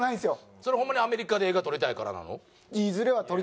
それホンマにアメリカで映画撮りたいからなの？